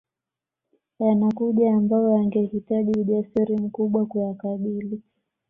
Yanakuja ambayo yangehitaji ujasiri mkubwa kuyakabili